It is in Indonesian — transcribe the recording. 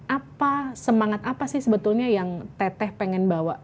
apa semangat apa sih sebetulnya yang teteh pengen bawa